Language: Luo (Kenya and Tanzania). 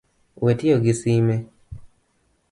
We tiyo gi sime